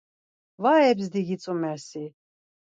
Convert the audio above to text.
Va yebzdi gitzumer si.